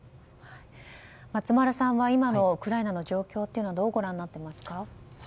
松丸さんは今のウクライナの状況をどうご覧になっていますか？